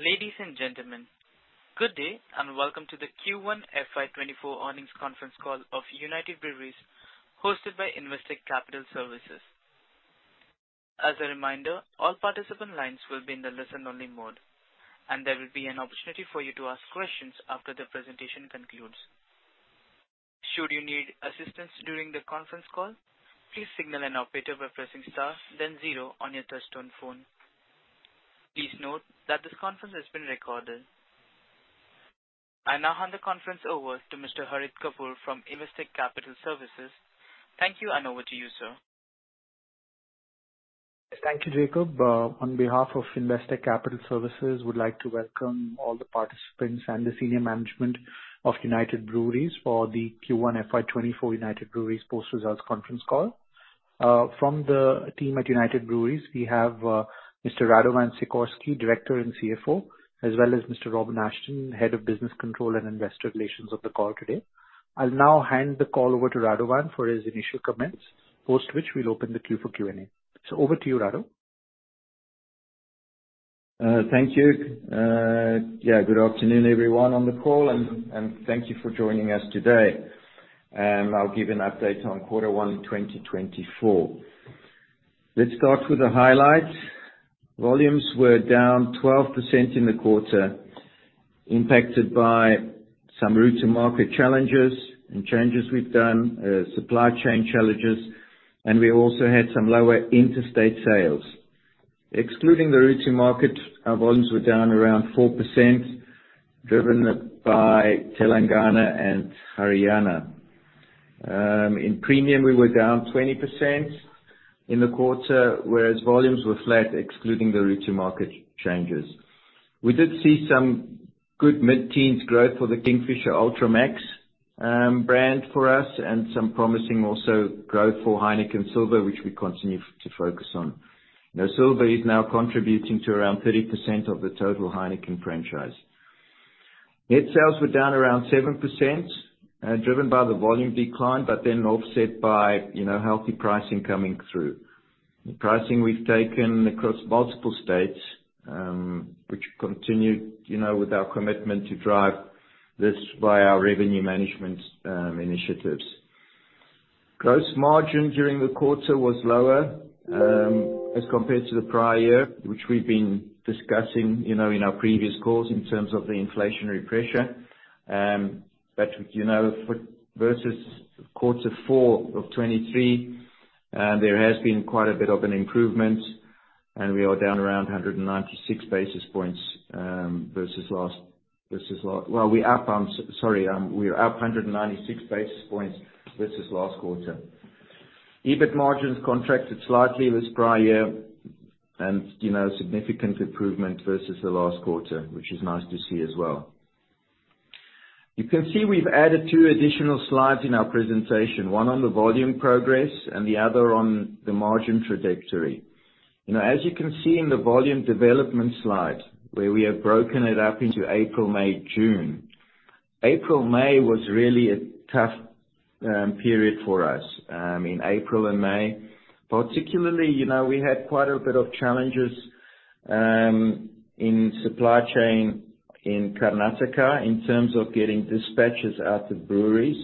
Ladies and gentlemen, good day, and welcome to the Q1 FY2024 earnings conference call of United Breweries, hosted by Investec Capital Services. As a reminder, all participant lines will be in the listen-only mode, and there will be an opportunity for you to ask questions after the presentation concludes. Should you need assistance during the Conference Call, please signal an operator by pressing star, then zero on your touch-tone phone. Please note that this conference is being recorded. I now hand the conference over to Mr. Harit Kapoor from Investec Capital Services. Thank you, and over to you, sir. Thank you, Jacob. On behalf of Investec Capital Services, we'd like to welcome all the participants and the senior management of United Breweries for the Q1 FY24 United Breweries post-results conference call. From the team at United Breweries, we have Mr. Radovan Sikorsky, Director and CFO, as well as Mr. Robin Ashton, Head of Business Control and Investor Relations, on the call today. I'll now hand the call over to Radovan for his initial comments, post which we'll open the queue for Q&A. Over to you, Rado. Thank you. Good afternoon, everyone on the call, and thank you for joining us today. I'll give an update on quarter one, 2024. Let's start with the highlights. Volumes were down 12% in the quarter, impacted by some route to market challenges and changes we've done, supply chain challenges, and we also had some lower interstate sales. Excluding the route to market, our volumes were down around 4%, driven by Telangana and Haryana. In premium, we were down 20% in the quarter, whereas volumes were flat, excluding the route to market changes. We did see some good mid-teens growth for the Kingfisher Ultra Max brand for us and some promising also growth for Heineken Silver, which we continue to focus on. Now, Silver is now contributing to around 30% of the total Heineken franchise. Net sales were down around 7%, driven by the volume decline, but then offset by, you know, healthy pricing coming through. The pricing we've taken across multiple states, which continued, you know, with our commitment to drive this via our revenue management initiatives. Gross margin during the quarter was lower as compared to the prior year, which we've been discussing, you know, in our previous calls in terms of the inflationary pressure. But, you know, for versus Q4 2023, there has been quite a bit of an improvement, and we are down around 196 basis points versus last. Well, we're up, sorry, we are up 196 basis points versus last quarter. EBIT margins contracted slightly this prior year, you know, significant improvement versus the last quarter, which is nice to see as well. You can see we've added two additional slides in our presentation, one on the volume progress and the other on the margin trajectory. You know, as you can see in the volume development slide, where we have broken it up into April, May, June. April, May was really a tough period for us. In April and May, particularly, you know, we had quite a bit of challenges in supply chain in Karnataka, in terms of getting dispatches out of breweries.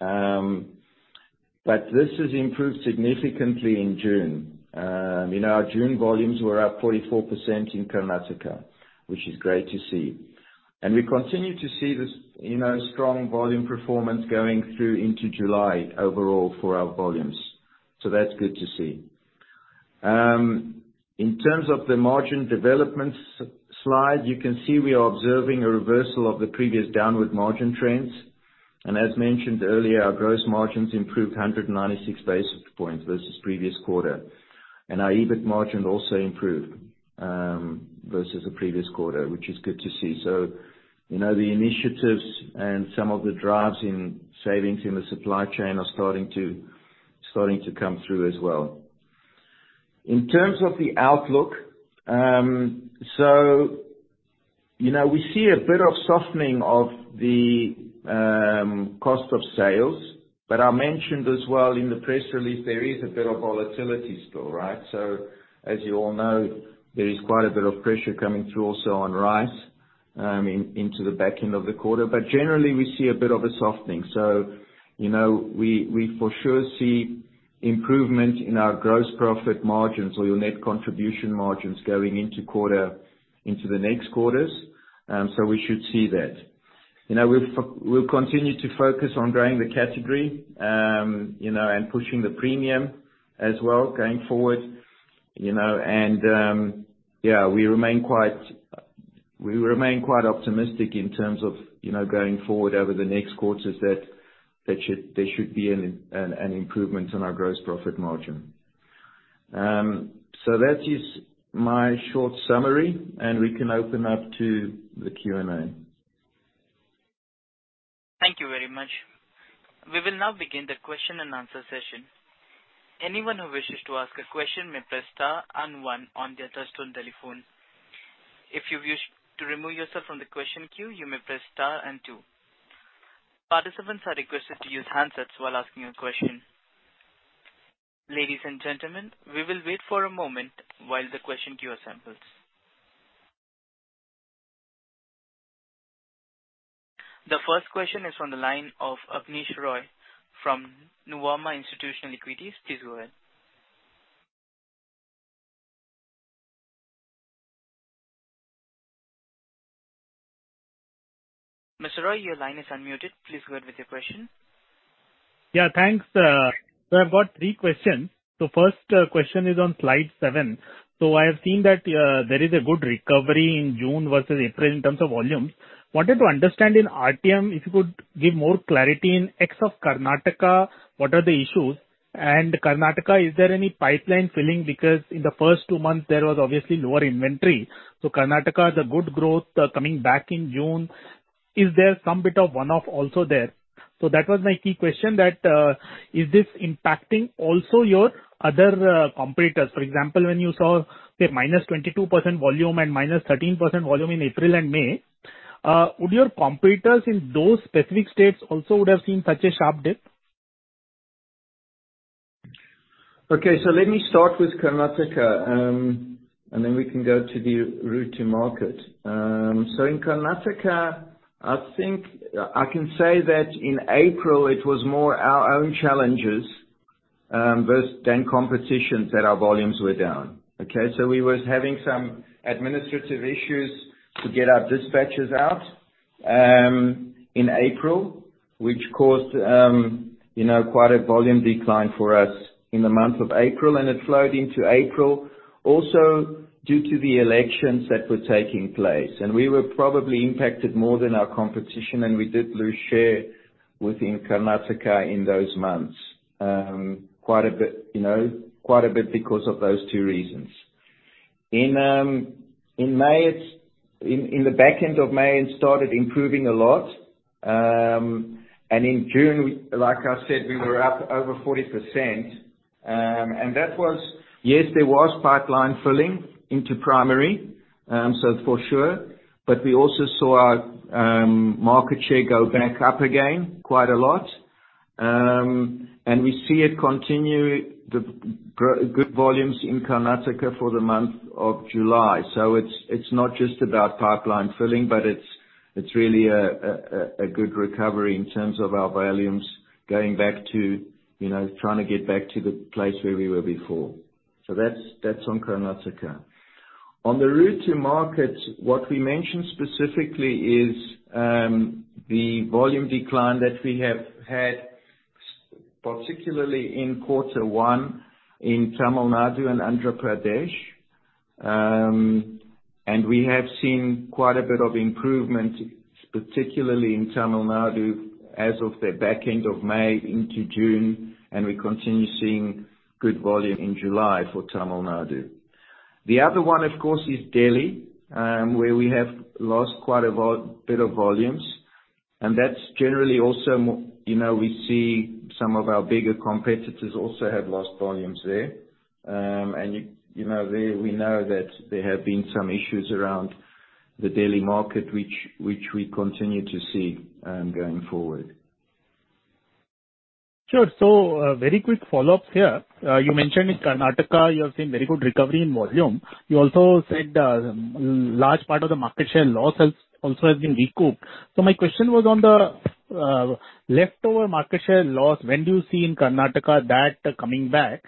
This has improved significantly in June. You know, our June volumes were up 44% in Karnataka, which is great to see. We continue to see this, you know, strong volume performance going through into July overall for our volumes. That's good to see. In terms of the margin development slide, you can see we are observing a reversal of the previous downward margin trends, as mentioned earlier, our gross margins improved 196 basis points versus previous quarter. Our EBIT margin also improved versus the previous quarter, which is good to see. You know, the initiatives and some of the drives in savings in the supply chain are starting to, starting to come through as well. In terms of the outlook, you know, we see a bit of softening of the cost of sales, but I mentioned as well in the press release, there is a bit of volatility still, right? As you all know, there is quite a bit of pressure coming through also on rice, in, into the back end of the quarter. Generally, we see a bit of a softening. You know, we for sure see improvement in our gross profit margins or your net contribution margins going into quarter, into the next quarters. We should see that. You know, we'll continue to focus on growing the category, you know, and pushing the premium as well, going forward. You know, yeah, we remain quite optimistic in terms of, you know, going forward over the next quarters, that there should, there should be an improvement on our gross profit margin. That is my short summary, we can open up to the Q&A. Thank you very much. We will now begin the question and answer session. Anyone who wishes to ask a question may press star and one on their touchtone telephone. If you wish to remove yourself from the question queue, you may press star and two. Participants are requested to use handsets while asking a question. Ladies and gentlemen, we will wait for a moment while the question queue assembles. The first question is on the line of Abneesh Roy from Nuvama Institutional Equities. Please go ahead. Mr. Roy, your line is unmuted. Please go ahead with your question. Yeah, thanks. I've got three questions. The first question is on slide seven. I have seen that there is a good recovery in June versus April in terms of volumes. Wanted to understand in RTM, if you could give more clarity in ex of Karnataka, what are the issues? Karnataka, is there any pipeline filling? Because in the first two months, there was obviously lower inventory. Karnataka is a good growth coming back in June. Is there some bit of one-off also there? That was my key question, that is this impacting also your other competitors? For example, when you saw, say, -22% volume and -13% volume in April and May, would your competitors in those specific states also would have seen such a sharp dip? Okay, let me start with Karnataka, and then we can go to the route to market. In Karnataka, I think I can say that in April it was more our own challenges, versus then competitions, that our volumes were down. Okay? We was having some administrative issues to get our dispatches out, in April, which caused, you know, quite a volume decline for us in the month of April, and it flowed into April, also due to the elections that were taking place. We were probably impacted more than our competition, and we did lose share within Karnataka in those months. Quite a bit, you know, quite a bit because of those two reasons. In, in May, in, in the back end of May, it started improving a lot, and in June, like I said, we were up over 40%. That was. Yes, there was pipeline filling into primary, so for sure, but we also saw our market share go back up again quite a lot. We see it continue, the good volumes in Karnataka for the month of July. It's, it's not just about pipeline filling, but it's, it's really a good recovery in terms of our volumes going back to, you know, trying to get back to the place where we were before. That's, that's on Karnataka. On the route to market, what we mentioned specifically is the volume decline that we have had, particularly in Q1 in Tamil Nadu and Andhra Pradesh. We have seen quite a bit of improvement, particularly in Tamil Nadu, as of the back end of May into June, and we continue seeing good volume in July for Tamil Nadu. The other one, of course, is Delhi, where we have lost quite a bit of volumes, and that's generally also more, you know, we see some of our bigger competitors also have lost volumes there. You, you know, there we know that there have been some issues around the Delhi market, which, which we continue to see, going forward. Sure. A very quick follow-up here. You mentioned in Karnataka, you have seen very good recovery in volume. You also said, large part of the market share loss has also has been recouped. My question was on the leftover market share loss, when do you see in Karnataka that coming back?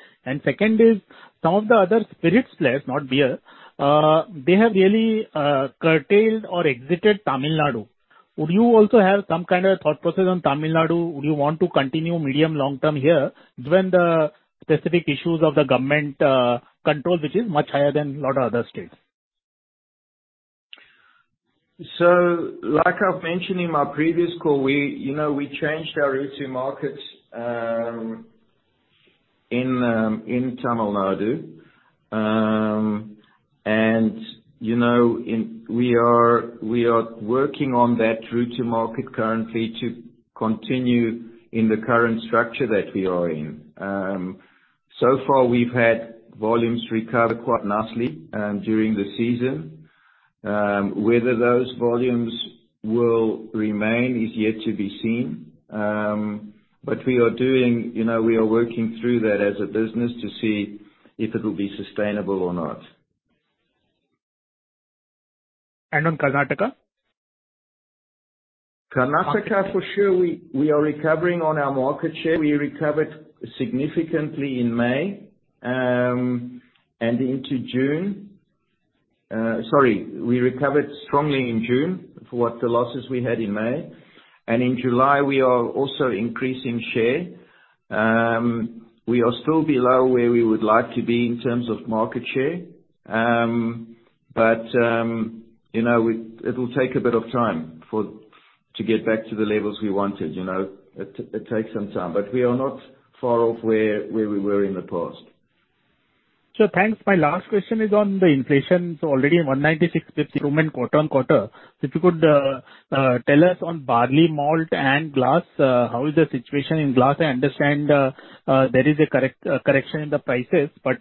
Second is, some of the other spirits players, not beer, they have really curtailed or exited Tamil Nadu. Would you also have some kind of thought process on Tamil Nadu? Would you want to continue medium long-term here, given the specific issues of the government, control, which is much higher than a lot of other states? Like I've mentioned in my previous call, we, you know, we changed our route to market, in Tamil Nadu. You know, we are, we are working on that route to market currently to continue in the current structure that we are in. So far, we've had volumes recover quite nicely, during the season. Whether those volumes will remain is yet to be seen. We are doing, you know, we are working through that as a business to see if it will be sustainable or not. On Karnataka? Karnataka, for sure, we, we are recovering on our market share. We recovered significantly in May, and into June. Sorry, we recovered strongly in June for what the losses we had in May, and in July, we are also increasing share. We are still below where we would like to be in terms of market share, but, you know, we, it will take a bit of time to get back to the levels we wanted, you know. It takes some time, but we are not far off where we were in the past. Sure. Thanks. My last question is on the inflation. Already 196 quarter-over-quarter. If you could tell us on barley, malt and glass, how is the situation in glass? I understand there is a correction in the prices, but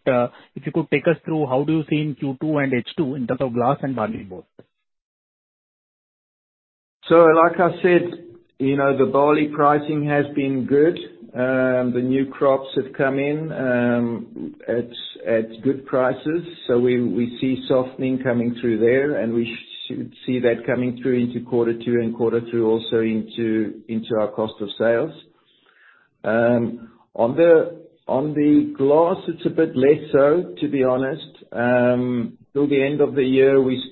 if you could take us through how do you see in Q2 and H2 in terms of glass and barley both? Like I said, you know, the barley pricing has been good. The new crops have come in at good prices, so we see softening coming through there, and we should see that coming through into quarter two and quarter three, also into our cost of sales. On the glass, it's a bit less so, to be honest. Through the end of the year, we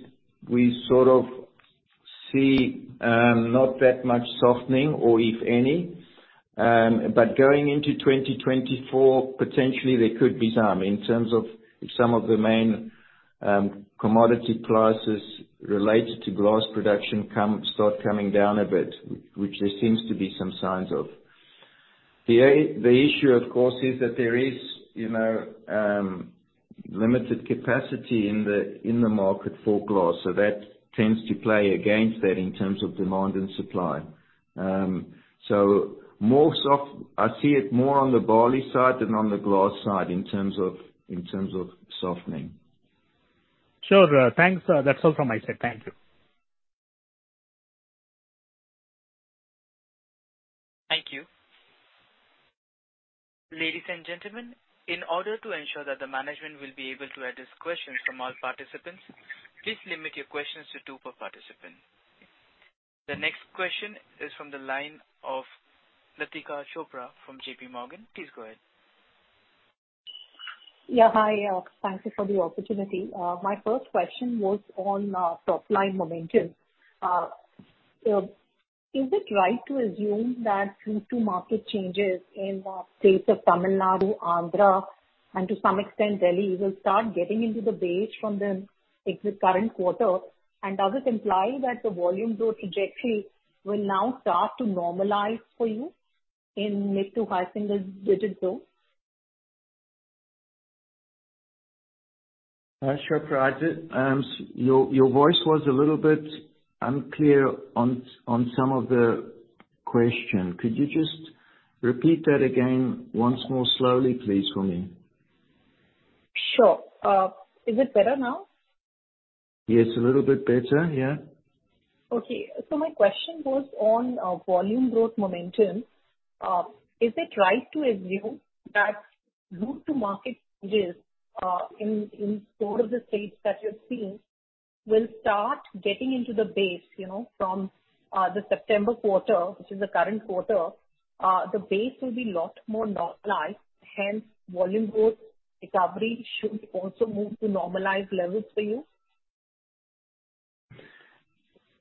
sort of see not that much softening, or if any. Going into 2024, potentially there could be some, in terms of if some of the main commodity prices related to glass production come start coming down a bit, which there seems to be some signs of. The issue, of course, is that there is, you know, limited capacity in the, in the market for glass, so that tends to play against that in terms of demand and supply. More soft- I see it more on the barley side than on the glass side in terms of, in terms of softening. Sure, thanks. That's all from my side. Thank you. Thank you. Ladies and gentlemen, in order to ensure that the management will be able to address questions from all participants, please limit your questions to two per participant. The next question is from the line of Latika Chopra from JP Morgan. Please go ahead. Yeah, hi. Thank you for the opportunity. My first question was on top-line momentum. Is it right to assume that due to market changes in the states of Tamil Nadu, Andhra, and to some extent, Delhi, you will start getting into the base from the, like, the current quarter? Does it imply that the volume growth trajectory will now start to normalize for you in mid to high single digit growth? Chopra, I did. your, your voice was a little bit unclear on, on some of the question. Could you just repeat that again once more slowly, please, for me? Sure. Is it better now? Yes, a little bit better. Yeah. Okay. My question was on volume growth momentum. Is it right to assume that route to market changes in four of the states that you're seeing, will start getting into the base, you know, from the September quarter, which is the current quarter? The base will be lot more normalized, hence, volume growth recovery should also move to normalized levels for you?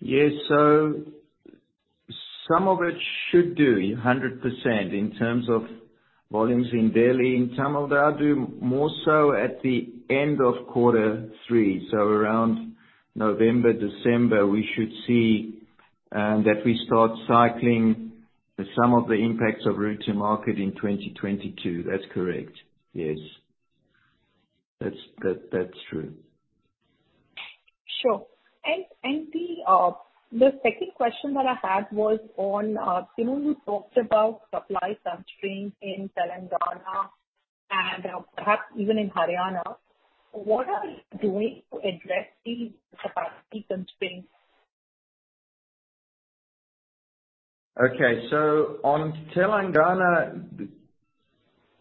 Yes, some of it should do, 100%, in terms of volumes in Delhi. In Tamil Nadu, more so at the end of Q3, so around November, December, we should see that we start cycling some of the impacts of route to market in 2022. That's correct. Yes. That's, that, that's true. Sure. The second question that I had was on, Timon, you talked about supply constraints in Telangana and, perhaps even in Haryana. What are you doing to address these capacity constraints? Okay. On Telangana,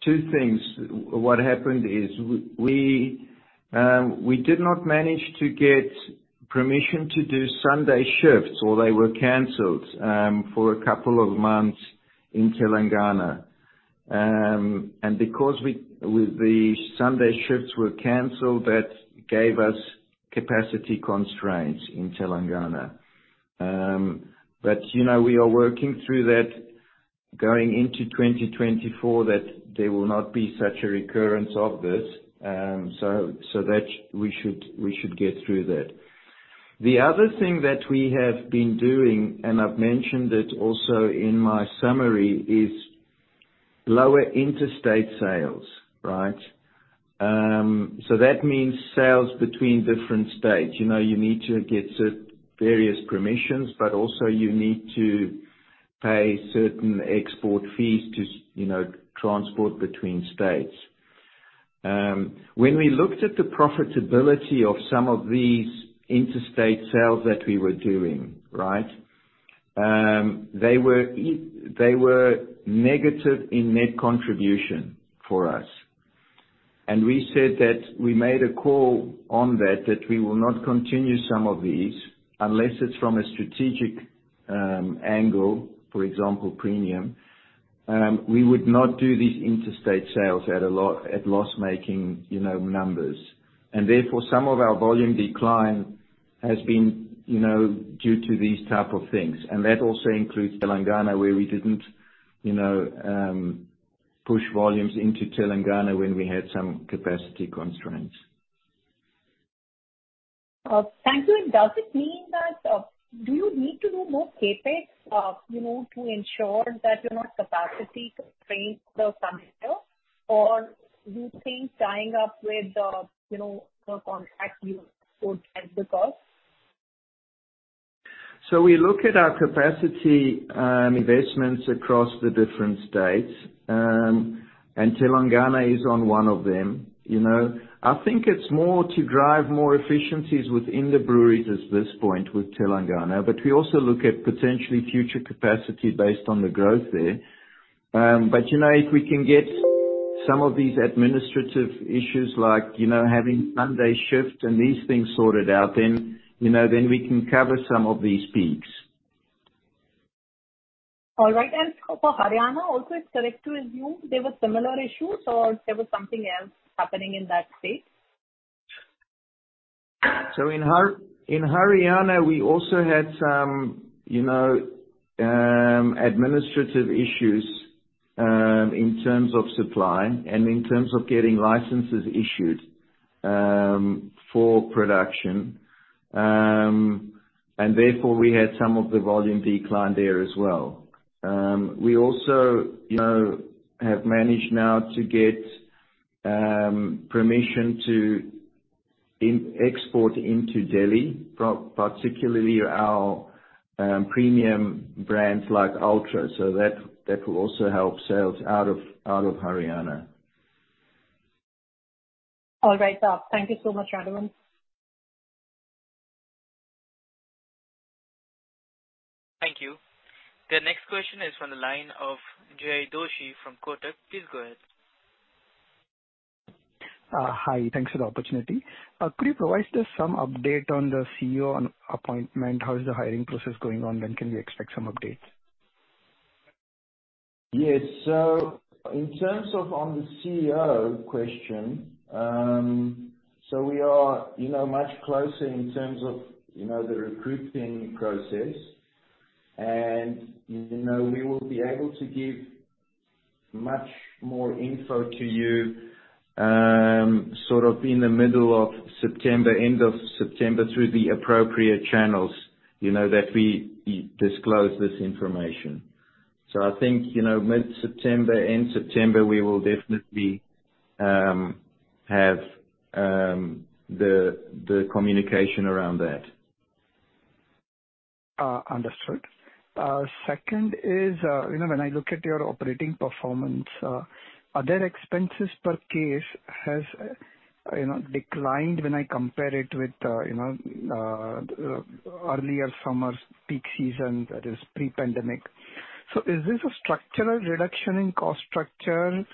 two things. What happened is we did not manage to get permission to do Sunday shifts, or they were canceled, for a couple of months in Telangana. Because we, the Sunday shifts were canceled, that gave us capacity constraints in Telangana. You know, we are working through that going into 2024, that there will not be such a recurrence of this. So that, we should, we should get through that. The other thing that we have been doing, and I've mentioned it also in my summary, is lower interstate sales, right? That means sales between different states. You know, you need to get certain various permissions, but also you need to pay certain export fees to you know, transport between states. When we looked at the profitability of some of these interstate sales that we were doing, right, they were negative in net contribution for us. We said that we made a call on that, that we will not continue some of these, unless it's from a strategic angle, for example, premium. We would not do these interstate sales at loss-making, you know, numbers. Therefore, some of our volume decline has been, you know, due to these type of things, and that also includes Telangana, where we didn't, you know, push volumes into Telangana when we had some capacity constraints. Thank you. Does it mean that, do you need to do more CapEx, you know, to ensure that you're not capacity constrained, though, coming year? Or do you think tying up with, you know, contract you would end the cost? We look at our capacity, investments across the different states. Telangana is on one of them. You know, I think it's more to drive more efficiencies within the breweries at this point with Telangana, but we also look at potentially future capacity based on the growth there. You know, if we can get some of these administrative issues like, you know, having Sunday shifts and these things sorted out, then, you know, then we can cover some of these peaks. All right. For Haryana also, it's correct to assume there were similar issues, or there was something else happening in that state? In Haryana, we also had some, you know, administrative issues, in terms of supply and in terms of getting licenses issued, for production. Therefore, we had some of the volume decline there as well. We also, you know, have managed now to get permission to export into Delhi, particularly our premium brands like Ultra, so that, that will also help sales out of, out of Haryana. All right, sir. Thank you so much, Randall. Thank you. The next question is from the line of Jay Doshi from Kotak. Please go ahead. Hi, thanks for the opportunity. Could you provide us some update on the CEO on appointment? How is the hiring process going on? Can we expect some updates? Yes. In terms of on the CEO question, we are, you know, much closer in terms of, you know, the recruiting process, and, you know, we will be able to give much more info to you, sort of in the middle of September, end of September, through the appropriate channels, you know, that we, we disclose this information. I think, you know, mid-September, end September, we will definitely have the communication around that. Understood. Second is, you know, when I look at your operating performance, are there expenses per case has, you know, declined when I compare it with, you know, earlier summer's peak season, that is pre-pandemic? Is this a structural reduction in cost structure,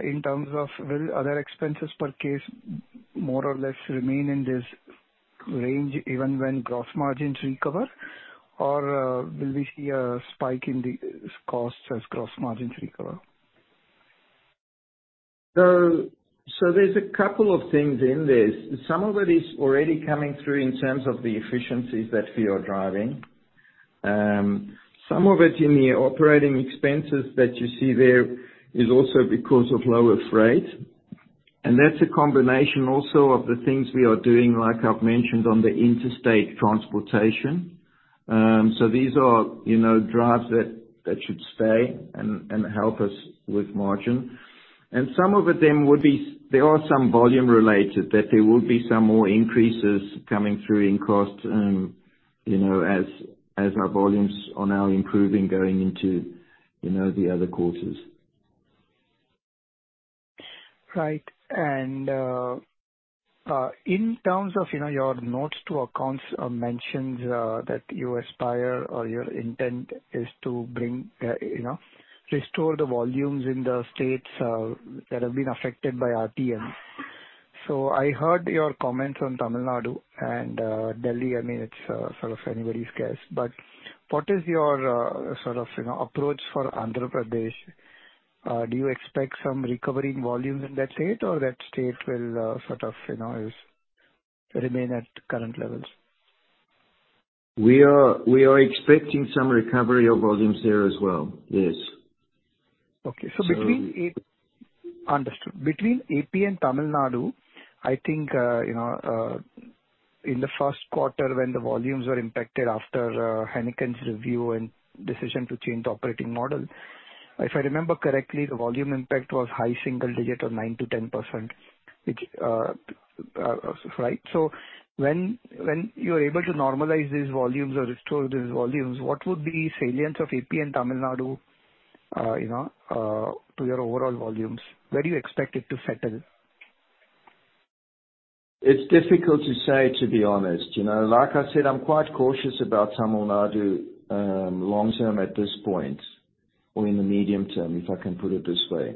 in terms of will other expenses per case more or less remain in this range even when gross margins recover? Will we see a spike in the costs as gross margins recover? There's a couple of things in this. Some of it is already coming through in terms of the efficiencies that we are driving. Some of it in the operating expenses that you see there is also because of lower freight, and that's a combination also of the things we are doing, like I've mentioned, on the interstate transportation. These are, you know, drives that, that should stay and, and help us with margin. Some of them would be... They are some volume related, that there will be some more increases coming through in costs, you know, as, as our volumes are now improving going into, you know, the other quarters. Right. In terms of, you know, your notes to accounts, mentions that you aspire or your intent is to bring, you know, restore the volumes in the states that have been affected by RTM. I heard your comments on Tamil Nadu and Delhi, I mean, it's sort of anybody's guess, but what is your sort of, you know, approach for Andhra Pradesh? Do you expect some recovery in volumes in that state, or that state will sort of, you know, is remain at current levels? We are, we are expecting some recovery of volumes there as well, yes. Okay. So- Between it... Understood. Between AP and Tamil Nadu, I think, in the first quarter, when the volumes were impacted after Heineken's review and decision to change the operating model, if I remember correctly, the volume impact was high single digit or 9% to 10%, which, right? When, when you're able to normalize these volumes or restore these volumes, what would be salience of AP and Tamil Nadu, to your overall volumes? Where do you expect it to settle? It's difficult to say, to be honest. You know, like I said, I'm quite cautious about Tamil Nadu, long term at this point, or in the medium term, if I can put it this way.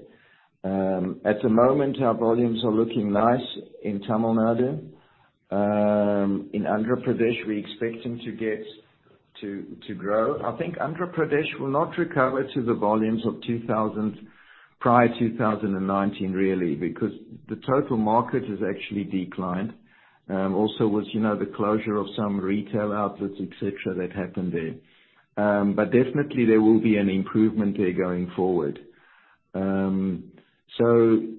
At the moment, our volumes are looking nice in Tamil Nadu. In Andhra Pradesh, we're expecting to get to, to grow. I think Andhra Pradesh will not recover to the volumes of 2000, prior to 2019, really, because the total market has actually declined. Also with, you know, the closure of some retail outlets, et cetera, that happened there. Definitely there will be an improvement there going forward.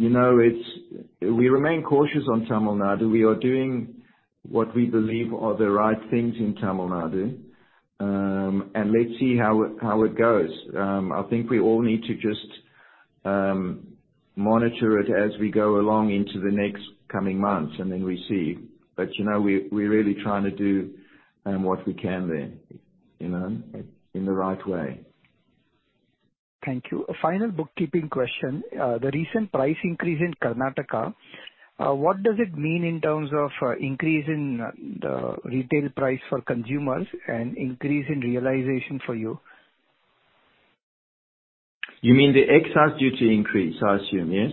You know, it's- we remain cautious on Tamil Nadu. We are doing what we believe are the right things in Tamil Nadu. Let's see how it, how it goes. I think we all need to just monitor it as we go along into the next coming months, and then we see. You know, we're, we're really trying to do what we can there. You know, in the right way. Thank you. A final bookkeeping question. The recent price increase in Karnataka, what does it mean in terms of increase in the retail price for consumers and increase in realization for you? You mean the excise duty increase, I assume, yes?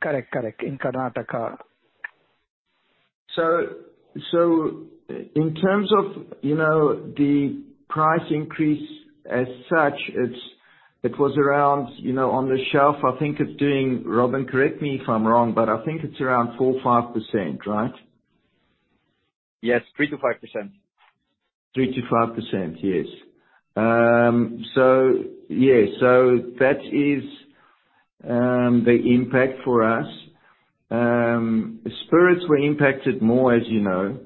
Correct, correct. In Karnataka. In terms of, you know, the price increase as such, it was around, you know, on the shelf, I think. Robin, correct me if I'm wrong, but I think it's around 4-5%, right? Yes, 3%-5%. 3%-5%, yes. Yeah, so that is, the impact for us. Spirits were impacted more, as you know.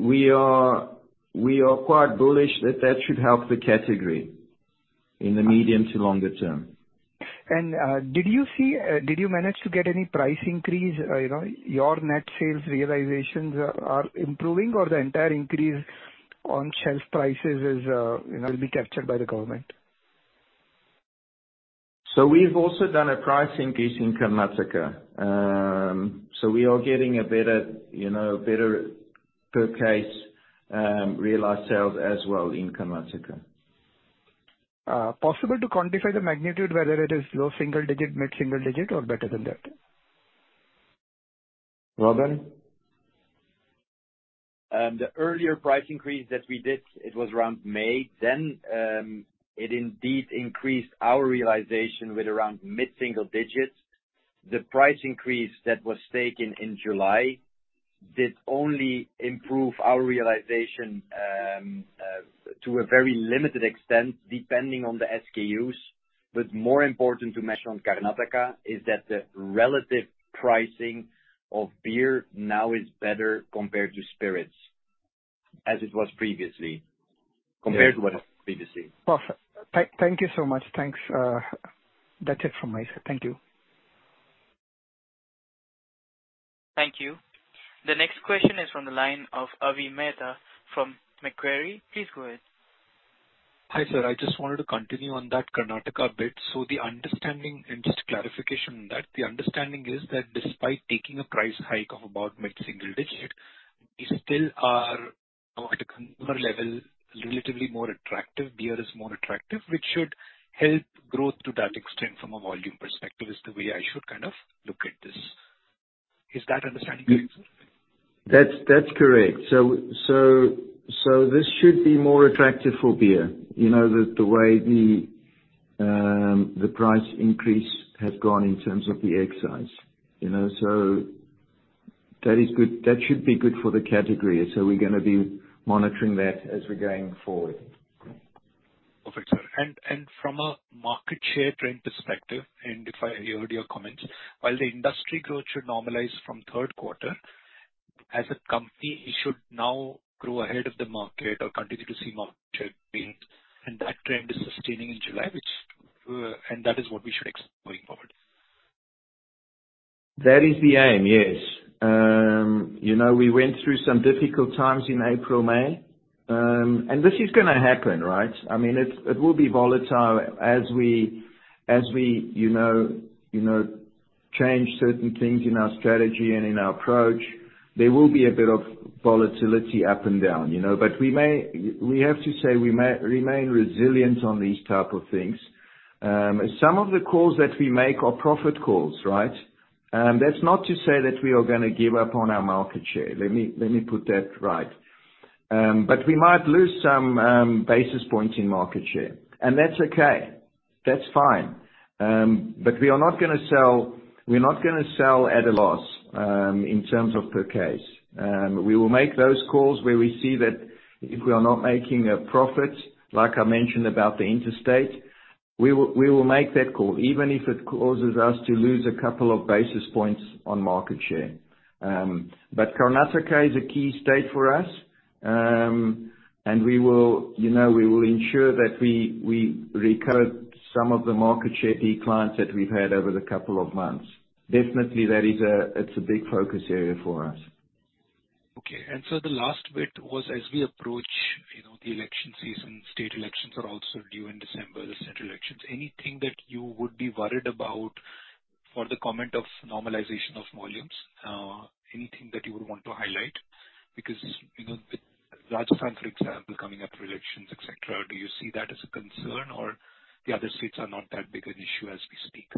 We are, we are quite bullish that that should help the category in the medium to longer term. Did you see, did you manage to get any price increase? You know, your net sales realizations are, are improving, or the entire increase on shelf prices is, you know, will be captured by the government. We've also done a price increase in Karnataka. We are getting a better, you know, better per case, realized sales as well in Karnataka. Possible to quantify the magnitude, whether it is low single-digit, mid single-digit, or better than that? Robin? The earlier price increase that we did, it was around May. It indeed increased our realization with around mid single digits. The price increase that was taken in July did only improve our realization to a very limited extent, depending on the SKUs. More important to mention on Karnataka, is that the relative pricing of beer now is better compared to spirits, as it was previously. Yes. Compared to what it was previously. Perfect. Thank, thank you so much. Thanks, that's it from my side. Thank you. Thank you. The next question is from the line of Avi Mehta from Macquarie. Please go ahead. Hi, sir. I just wanted to continue on that Karnataka bit. The understanding and just clarification on that, the understanding is that despite taking a price hike of about mid-single digit, you still are, at a consumer level, relatively more attractive, beer is more attractive, which should help growth to that extent from a volume perspective, is the way I should kind of look at this. Is that understanding correct, sir? That's, that's correct. This should be more attractive for beer, you know, the, the way the price increase has gone in terms of the excise, you know, so that is good. That should be good for the category. We're gonna be monitoring that as we're going forward. Perfect, sir. From a market share trend perspective, and if I heard your comments, while the industry growth should normalize from third quarter, as a company, you should now grow ahead of the market or continue to see market share build, and that trend is sustaining in July, which, that is what we should expect going forward? That is the aim, yes. You know, we went through some difficult times in April, May, and this is gonna happen, right? I mean, it, it will be volatile as we, as we, you know, you know, change certain things in our strategy and in our approach. There will be a bit of volatility up and down, you know, but we may, w- we have to say, we may- remain resilient on these type of things. Some of the calls that we make are profit calls, right? That's not to say that we are gonna give up on our market share. Let me, let me put that right. We might lose some basis points in market share, and that's okay. That's fine. We are not gonna sell, we're not gonna sell at a loss in terms of per case. We will make those calls where we see that if we are not making a profit, like I mentioned about the interstate, we will, we will make that call, even if it causes us to lose a couple of basis points on market share. Karnataka is a key state for us, and we will, you know, we will ensure that we, we recover some of the market share declines that we've had over the couple of months. Definitely, that is a, it's a big focus area for us. Okay. So the last bit was, as we approach, you know, the election season, state elections are also due in December, the state elections, anything that you would be worried about for the comment of normalization of volumes? Anything that you would want to highlight? Because, you know, with Rajasthan, for example, coming up, elections, et cetera, do you see that as a concern or the other states are not that big an issue as we speak?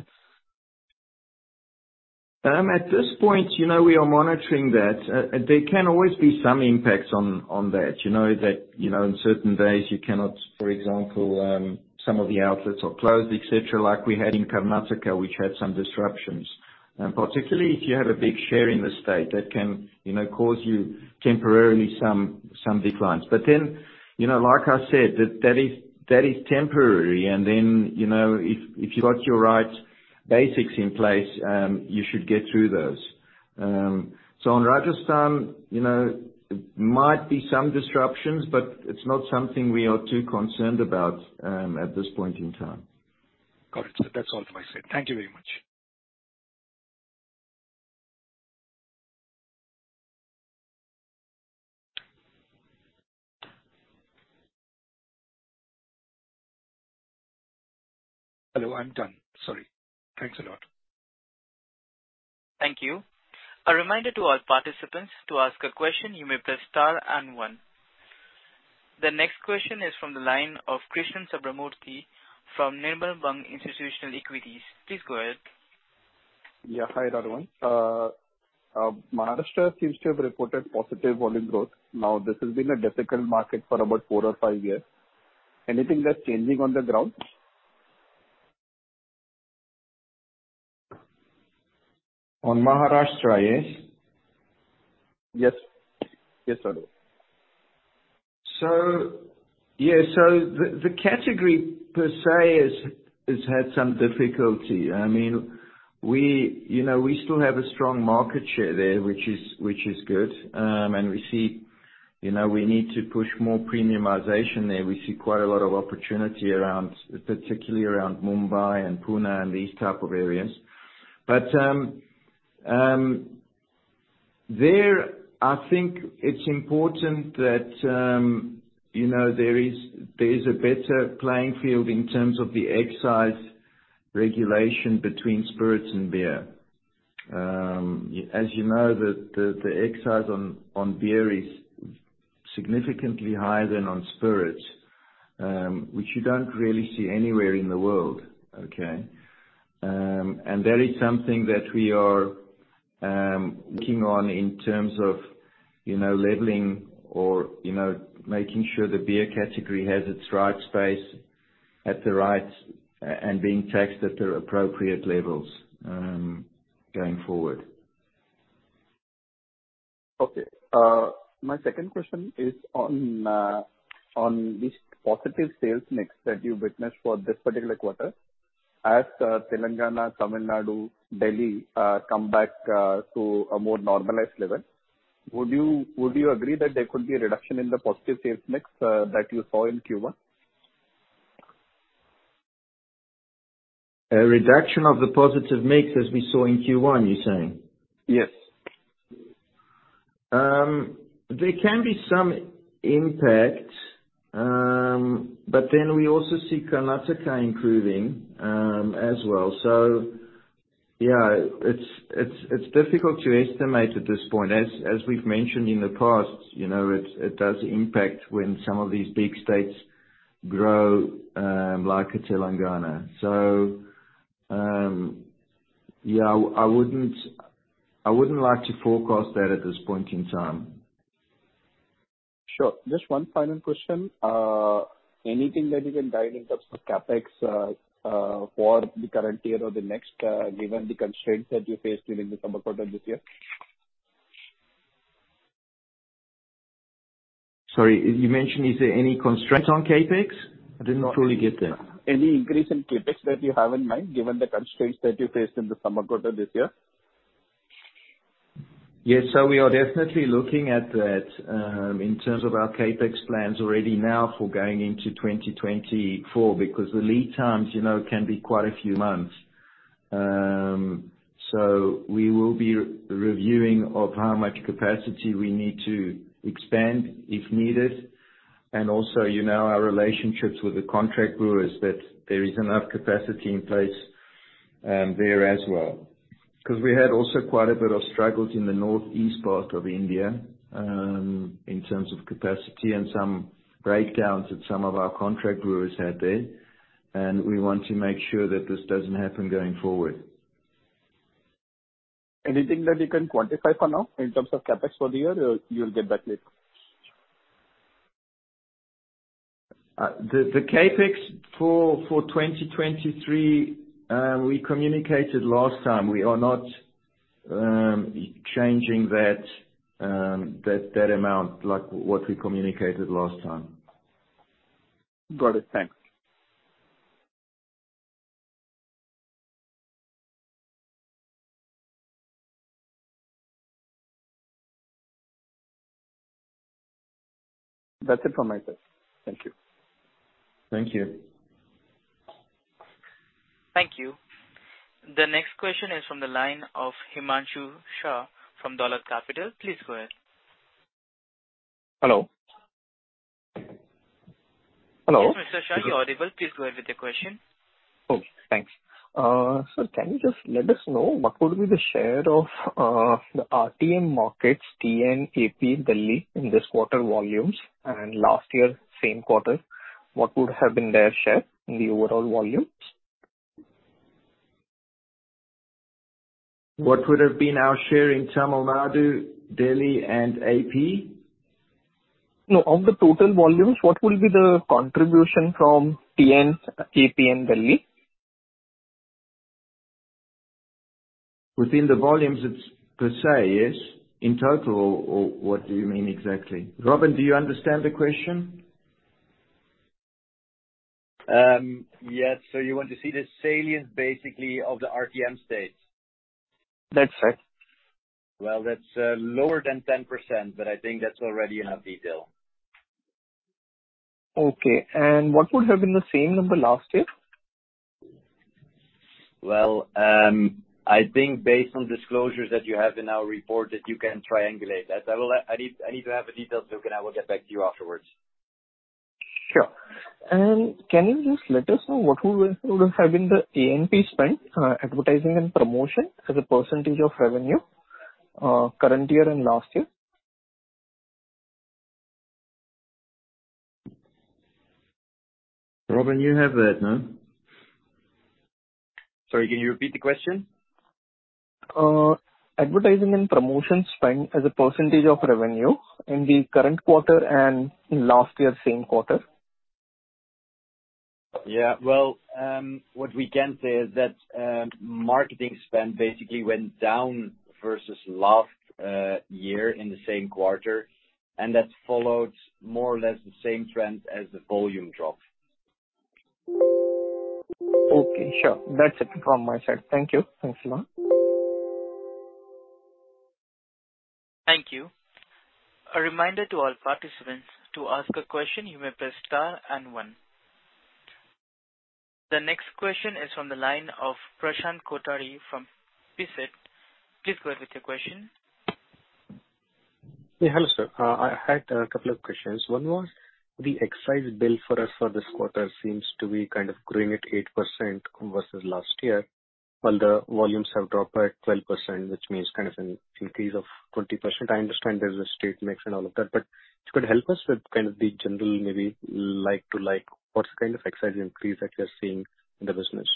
At this point, you know, we are monitoring that. There can always be some impacts on, on that. You know, on certain days you cannot, for example, some of the outlets are closed, et cetera, like we had in Karnataka, which had some disruptions. Particularly if you have a big share in the state, that can, you know, cause you temporarily some, some declines. Then, you know, like I said, that is temporary, and then, you know, if, if you got your right basics in place, you should get through those. On Rajasthan, you know, might be some disruptions, but it's not something we are too concerned about at this point in time. Got it. That's all from my side. Thank you very much. Hello, I'm done. Sorry. Thanks a lot. Thank you. A reminder to all participants, to ask a question, you may press star and one. The next question is from the line of Krishnan Subramanian from Nirmal Bang Institutional Equities. Please go ahead. Yeah. Hi, everyone. Maharashtra seems to have reported positive volume growth. Now, this has been a difficult market for about four or five years. Anything that's changing on the ground? On Maharashtra, yes? Yes. Yes, sir. Yeah, the category per se has, has had some difficulty. I mean, we, you know, we still have a strong market share there, which is, which is good. We see, you know, we need to push more premiumization there. We see quite a lot of opportunity around, particularly around Mumbai and Pune and these type of areas. There, I think it's important that, you know, there is, there is a better playing field in terms of the excise regulation between spirits and beer. As you know, the, the, the excise on, on beer is significantly higher than on spirits, which you don't really see anywhere in the world, okay? That is something that we are working on in terms of, you know, leveling or, you know, making sure the beer category has its right space at the right and being taxed at the appropriate levels, going forward. Okay. My second question is on, on this positive sales mix that you witnessed for this particular quarter. As Telangana, Tamil Nadu, Delhi, come back, to a more normalized level, would you, would you agree that there could be a reduction in the positive sales mix that you saw in Q1? A reduction of the positive mix as we saw in Q1, you're saying? Yes. There can be some impact, but then we also see Karnataka improving as well. Yeah, it's, it's, it's difficult to estimate at this point. As, as we've mentioned in the past, you know, it, it does impact when some of these big states grow like a Telangana. Yeah, I wouldn't, I wouldn't like to forecast that at this point in time. Sure. Just 1 final question. Anything that you can dive in terms of CapEx for the current year or the next, given the constraints that you faced during the summer quarter this year? Sorry, you mentioned, is there any constraints on CapEx? I didn't fully get that. Any increase in CapEx that you have in mind, given the constraints that you faced in the summer quarter this year? Yes. We are definitely looking at that, in terms of our CapEx plans already now for going into 2024, because the lead times, you know, can be quite a few months. We will be reviewing of how much capacity we need to expand if needed. Also, you know, our relationships with the contract brewers, that there is enough capacity in place, there as well. 'Cause we had also quite a bit of struggles in the northeast part of India, in terms of capacity and some breakdowns at some of our contract brewers had there, we want to make sure that this doesn't happen going forward. Anything that you can quantify for now in terms of CapEx for the year, or you'll get back later? The, the CapEx for, for 2023, we communicated last time. We are not changing that, that, that amount like what we communicated last time. Got it. Thanks. That's it from my side. Thank you. Thank you. Thank you. The next question is from the line of Himanshu Shah from Dolat Capital. Please go ahead. Hello? Hello. Yes, Mr. Shah, you're audible. Please go ahead with your question. Okay, thanks. Can you just let us know what would be the share of the RTM markets, TN, AP, Delhi, in this quarter volumes, and last year, same quarter, what would have been their share in the overall volumes? What would have been our share in Tamil Nadu, Delhi and AP? Of the total volumes, what will be the contribution from TN, AP and Delhi? Within the volumes, it's per se, yes? In total, or what do you mean exactly? Robin, do you understand the question? Yes. You want to see the salient basically of the RTM states? That's right. Well, that's lower than 10%, but I think that's already enough detail. Okay, what would have been the same number last year? Well, I think based on disclosures that you have in our report, that you can triangulate that. I will, I need, I need to have a detailed look, and I will get back to you afterwards. Sure. Can you just let us know what would have been the AMP spend, advertising and promotion as a % of revenue, current year and last year? Robin, you have that, no? Sorry, can you repeat the question? Advertising and promotions spend as a pecentage of revenue in the current quarter and in last year's same quarter. Yeah. Well, what we can say is that, marketing spend basically went down versus last year in the same quarter, and that followed more or less the same trend as the volume drop. Okay, sure. That's it from my side. Thank you. Thanks a lot. Thank you. A reminder to all participants, to ask a question, you may press star and one. The next question is from the line of Prashant Kothari from BSET. Please go ahead with your question. Yeah, hello, sir. I had a couple of questions. One was, the excise bill for us for this quarter seems to be kind of growing at 8% versus last year, while the volumes have dropped by 12%, which means kind of an increase of 20%. I understand there's a state mix and all of that, if you could help us with kind of the general, maybe like to like, what kind of excise increase are you seeing in the business?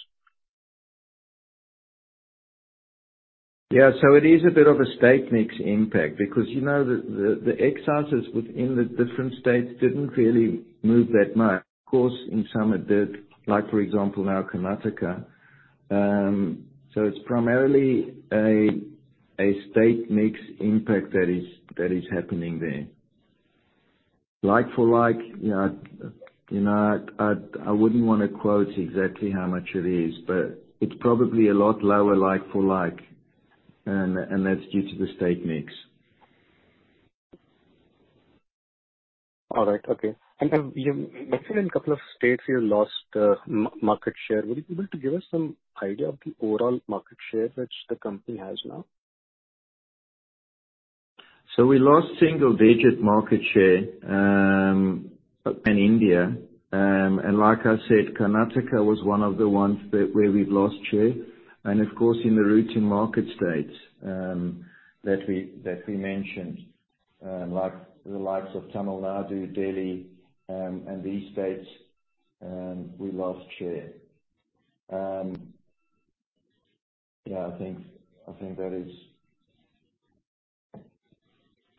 Yeah, so it is a bit of a state mix impact because, you know, the excises within the different states didn't really move that much. Of course, in some it did, like, for example, now Karnataka. It's primarily a state mix impact that is happening there. Like for like, you know, I, you know, I, I, I wouldn't want to quote exactly how much it is, but it's probably a lot lower like for like, and that's due to the state mix. All right. Okay. Then you mentioned in a couple of states you lost market share. Would you be able to give us some idea of the overall market share which the company has now? We lost single-digit market share in India. Like I said, Karnataka was one of the ones that, where we've lost share. Of course, in the routing market states that we, that we mentioned, like, the likes of Tamil Nadu, Delhi, and these states, we lost share. Yeah, I think, I think that is,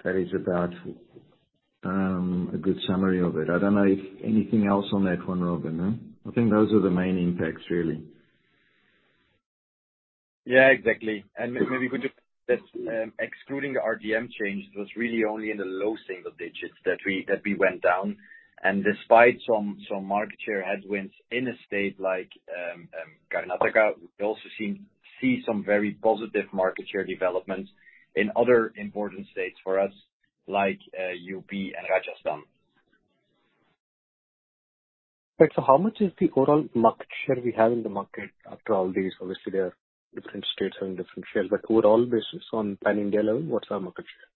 that is about a good summary of it. I don't know if anything else on that one, Robin, huh? I think those are the main impacts, really. Yeah, exactly. Maybe we could just, excluding the RDM change, it was really only in the low single digits that we, that we went down. Despite some, some market share headwinds in a state like Karnataka, we also see some very positive market share developments in other important states for us, like UP and Rajasthan. Right. How much is the overall market share we have in the market after all this? Obviously, there are different states having different shares, but overall basis on pan-India level, what's our market share?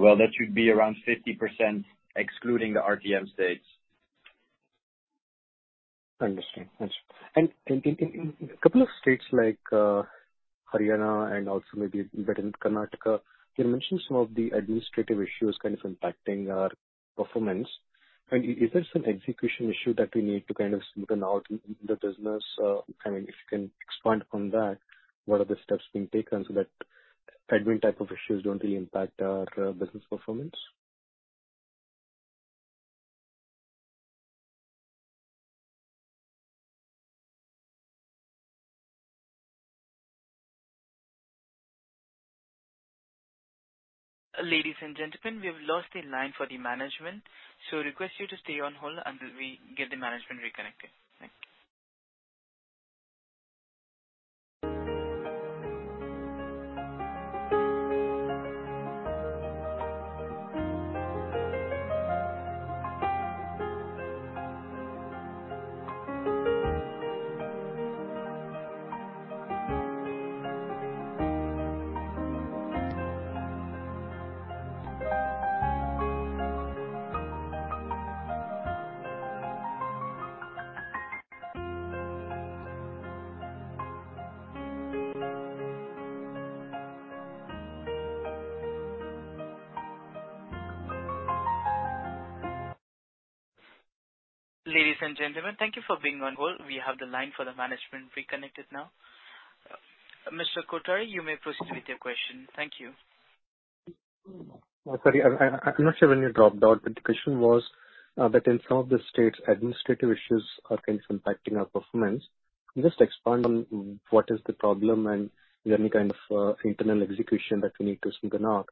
Well, that should be around 50%, excluding the RDM states. Understand. Understood. In, in, in a couple of states like Haryana and also maybe Karnataka, you mentioned some of the administrative issues kind of impacting our performance. Is there some execution issue that we need to kind of smoothen out in the business? I mean, if you can expand on that, what are the steps being taken so that admin type of issues don't really impact our business performance? Ladies and gentlemen, we have lost the line for the management, so request you to stay on hold until we get the management reconnected. Thank you. Ladies and gentlemen, thank you for being on hold. We have the line for the management reconnected now. Mr. Kothari, you may proceed with your question. Thank you. Sorry, I, I, I'm not sure when you dropped out, but the question was, that in some of the states, administrative issues are kind of impacting our performance. Just expand on what is the problem and any kind of internal execution that we need to smoothen out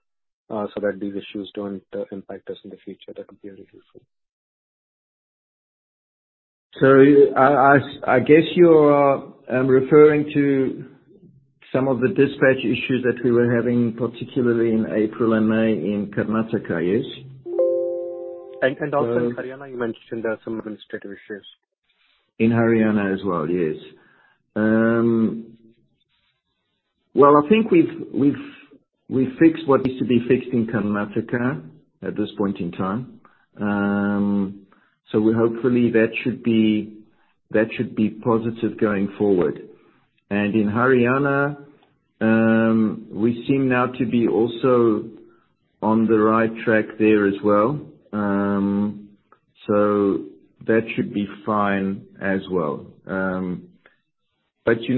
so that these issues don't impact us in the future. That would be very useful. I, I, I guess you're referring to some of the dispatch issues that we were having, particularly in April and May in Karnataka, yes? And also in Haryana, you mentioned there are some administrative issues. In Haryana as well, yes. Well, I think we've, we've, we've fixed what needs to be fixed in Karnataka at this point in time. We hopefully that should be, that should be positive going forward. In Haryana, we seem now to be also on the right track there as well. That should be fine as well. You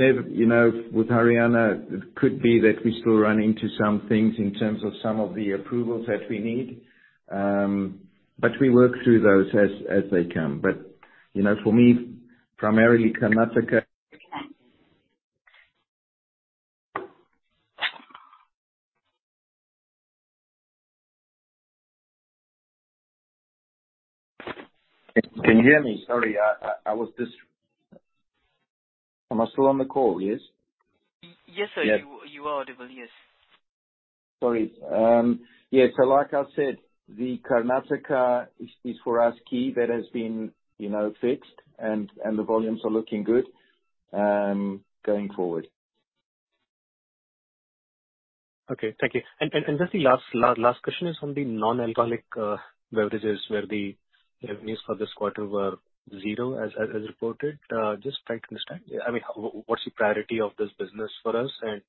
know, with Haryana, it could be that we still run into some things in terms of some of the approvals that we need, but we work through those as, as they come. You know, for me, primarily Karnataka. Can, can you hear me? Sorry, am I still on the call, yes? Yes, sir. Yeah. You, you are, Deval, yes. Sorry. Yeah, so like I said, the Karnataka is, is for us key. That has been, you know, fixed, and, and the volumes are looking good, going forward. Okay, thank you. Just the last question is on the non-alcoholic beverages, where the revenues for this quarter were 0, as reported. Just trying to understand, I mean, what's the priority of this business for us, and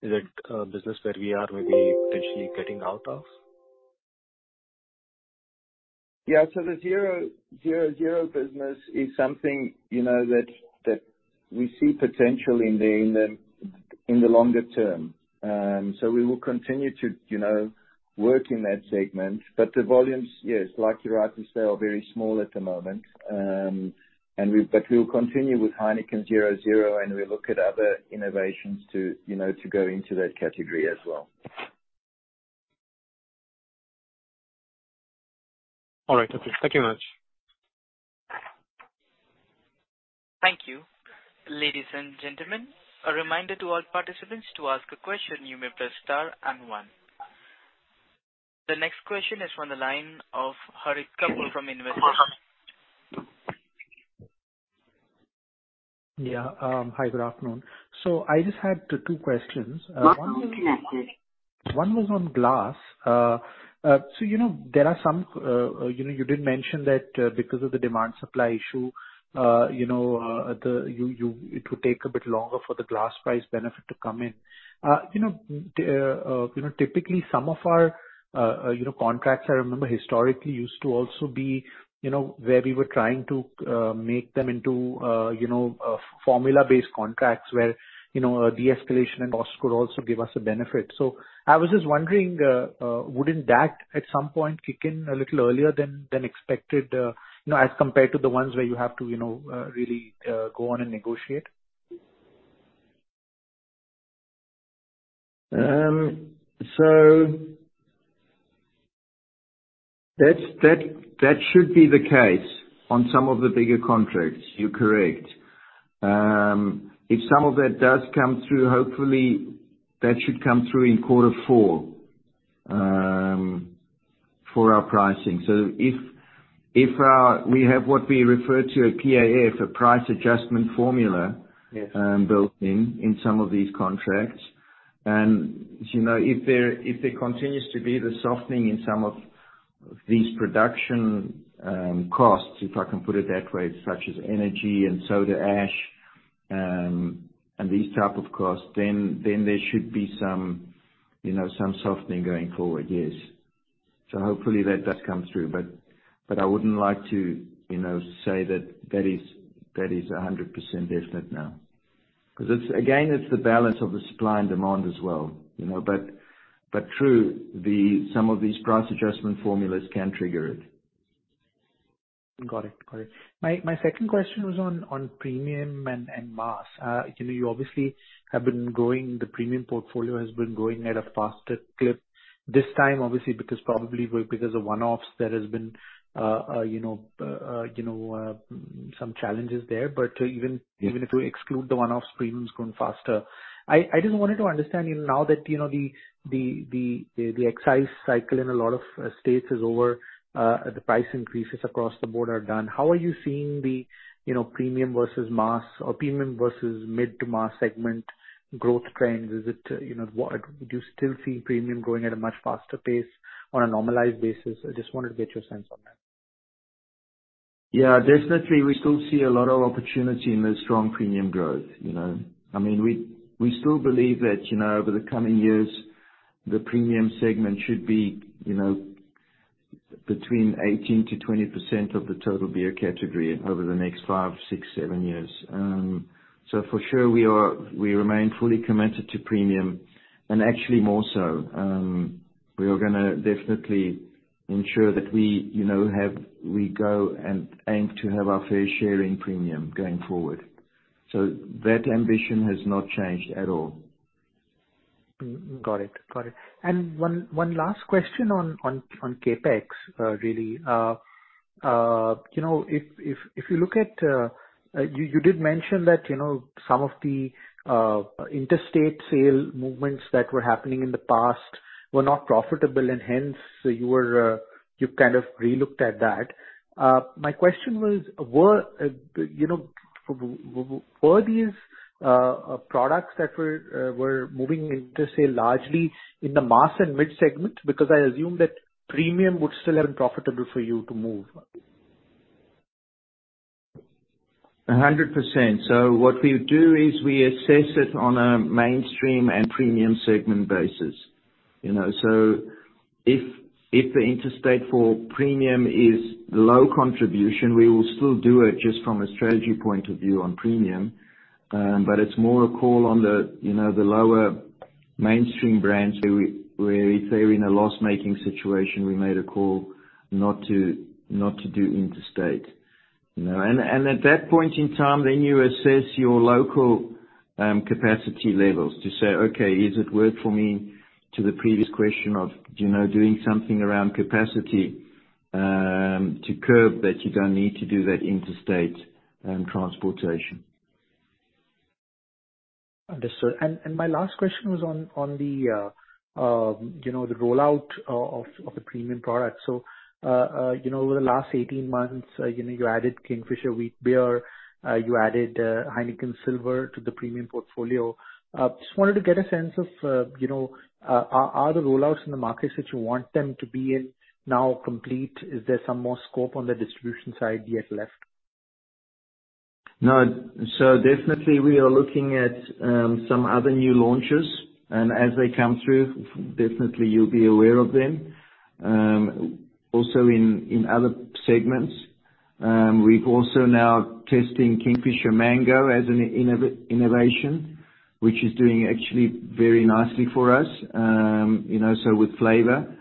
is it a business that we are maybe potentially getting out of? Yeah, the 0.0 business is something, you know, that, that we see potential in the, in the, in the longer term. We will continue to, you know, work in that segment. The volumes, yes, like you rightly say, are very small at the moment. We, but we'll continue with Heineken 0.0, and we'll look at other innovations to, you know, to go into that category as well. All right. Okay, thank you very much. Thank you. Ladies and gentlemen, a reminder to all participants to ask a question, you may press star and 1. The next question is from the line of Harit Kapoor from Investment. Hi, good afternoon. I just had two, two questions. Welcome connected. One was on glass. You know, there are some, you know, you did mention that, because of the demand-supply issue, you know, it would take a bit longer for the glass price benefit to come in. You know, the, you know, typically some of our, you know, contracts, I remember historically, used to also be, you know, where we were trying to make them into, you know, a formula-based contracts where, you know, a de-escalation in cost could also give us a benefit. I was just wondering, wouldn't that at some point kick in a little earlier than, than expected, you know, as compared to the ones where you have to, you know, really, go on and negotiate? So that's, that, that should be the case on some of the bigger contracts. You're correct. If some of that does come through, hopefully, that should come through in quarter four, for our pricing. So if, if, we have what we refer to a PAF, a price adjustment formula. Yes. built in, in some of these contracts, and, you know, if there, if there continues to be the softening in some of these production, costs, if I can put it that way, such as energy and soda ash, and these type of costs, then, then there should be some, you know, some softening going forward. Yes. Hopefully that does come through. I wouldn't like to, you know, say that that is, that is 100% definite now. 'Cause it's, again, it's the balance of the supply and demand as well, you know? True, the some of these price adjustment formulas can trigger it. Got it. Got it. My, my second question was on, on premium and, and mass. You know, you obviously have been growing, the premium portfolio has been growing at a faster clip. This time, obviously, because probably because of one-offs, there has been, you know, you know, some challenges there. Even. Yes. even if we exclude the one-off, premium's growing faster. I just wanted to understand, you know, now that, you know, the, the, the, the excise cycle in a lot of states is over, the price increases across the board are done, how are you seeing the, you know, premium versus mass or premium versus mid-to-mass segment growth trends? Is it, you know, what. Do you still see premium growing at a much faster pace on a normalized basis? I just wanted to get your sense on that. Yeah, definitely, we still see a lot of opportunity in the strong premium growth, you know. I mean, we, we still believe that, you know, over the coming years, the premium segment should be, you know, between 18%-20% of the total beer category over the next five, six, seven years. For sure, We remain fully committed to premium, and actually more so. We are gonna definitely ensure that we, you know, we go and aim to have our fair share in premium going forward. That ambition has not changed at all. Mm, got it. Got it. One, one last question on, on, on CapEx, really, you know, if, if, if you look at, you, you did mention that, you know, some of the, interstate sale movements that were happening in the past were not profitable, and hence, you were, you kind of re-looked at that. My question was, were, you know, were these, products that were, were moving interstate largely in the mass and mid segment? Because I assume that premium would still have been profitable for you to move? 100%. What we do is we assess it on a mainstream and premium segment basis, you know. If, if the interstate for premium is low contribution, we will still do it just from a strategy point of view on premium. But it's more a call on the, you know, the lower mainstream brands, where we, where if they're in a loss-making situation, we made a call not to, not to do interstate, you know? At that point in time, then you assess your local capacity levels to say, "Okay, is it worth for me," to the previous question of, you know, doing something around capacity to curb that you don't need to do that interstate transportation. Understood. My last question was on, on the, you know, the rollout of the premium product. You know, over the last 18 months, you know, you added Kingfisher Ultra Witbier, you added Heineken Silver to the premium portfolio. Just wanted to get a sense of, you know, are the rollouts in the markets that you want them to be in now complete? Is there some more scope on the distribution side yet left? No. Definitely we are looking at some other new launches, and as they come through, definitely you'll be aware of them. Also in, in other segments, we've also now testing Kingfisher Mango as an innovation, which is doing actually very nicely for us. You know, with flavor.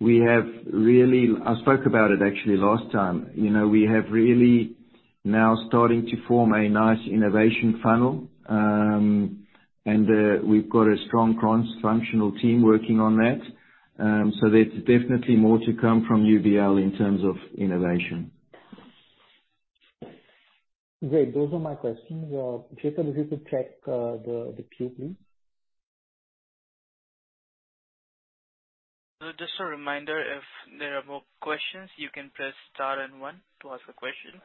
We have really. I spoke about it actually last time, you know, we have really now starting to form a nice innovation funnel. We've got a strong cross-functional team working on that. There's definitely more to come from UBL in terms of innovation. Great. Those are my questions. Jacob, if you could check, the queue, please. Just a reminder, if there are more questions, you can press star and one to ask a question.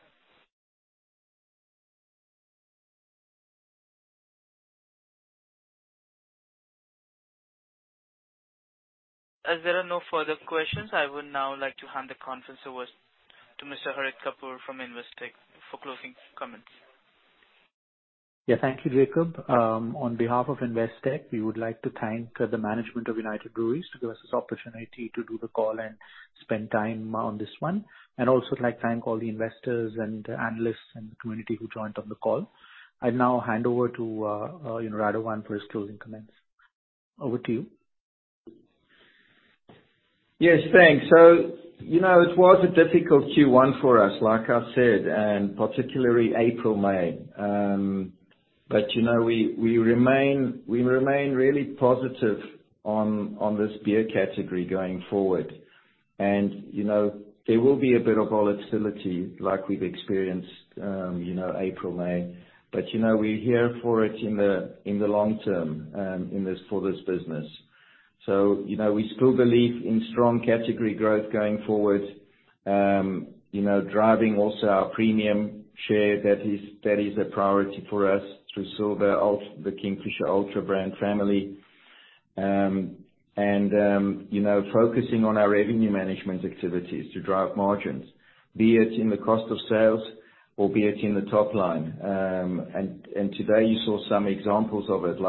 As there are no further questions, I would now like to hand the conference over to Mr. Harit Kapoor from Investec for closing comments. Yeah, thank you, Jacob. On behalf of Investec, we would like to thank the management of United Breweries to give us this opportunity to do the call and spend time on this one, and also like to thank all the investors and analysts and the community who joined on the call. I now hand over to Radovan for his closing comments. Over to you. Yes, thanks. You know, it was a difficult Q1 for us, like I said, and particularly April/May. But, you know, we, we remain, we remain really positive on, on this beer category going forward. You know, there will be a bit of volatility like we've experienced, you know, April/May, but, you know, we're here for it in the, in the long term, in this, for this business. You know, we still believe in strong category growth going forward. You know, driving also our premium share, that is, that is a priority for us through Kingfisher Ultra, the Kingfisher Ultra brand family. You know, focusing on our revenue management activities to drive margins, be it in the cost of sales or be it in the top line. Today, you saw some examples of it,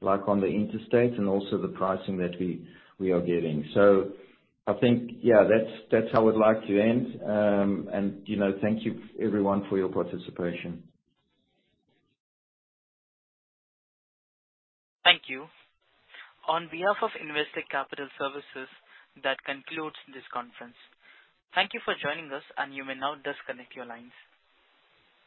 like, like on the interstate and also the pricing that we, we are giving. I think, yeah, that's, that's how I'd like to end. You know, thank you everyone for your participation. Thank you. On behalf of Investec Capital Services, that concludes this conference. Thank you for joining us. You may now disconnect your lines.